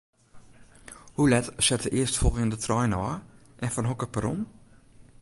Hoe let set de earstfolgjende trein ôf en fan hokker perron?